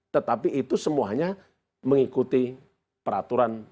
tetapi itu semuanya mengikuti peraturan